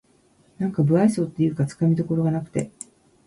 なんか無愛想っていうかつかみどころがなくて